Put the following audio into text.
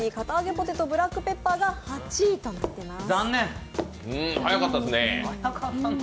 ポテトブラックペッパーが８位となっています。